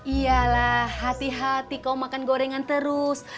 iyalah hati hati kau makan gorengan terus